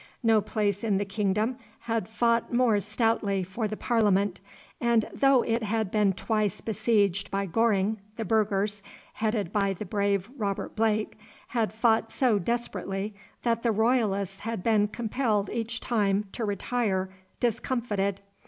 No place in the kingdom had fought more stoutly for the Parliament, and though it had been twice besieged by Goring, the burghers, headed by the brave Robert Blake, had fought so desperately, that the Royalists had been compelled each time to retire discomfited.